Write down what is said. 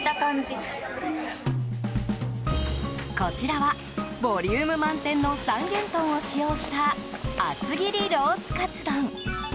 こちらはボリューム満点の三元豚を使用した厚切りロースかつ丼。